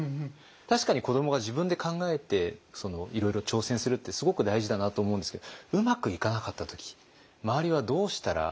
確かに子どもが自分で考えていろいろ挑戦するってすごく大事だなと思うんですけどうまくいかなかった時周りはどうしたらいいのかということ。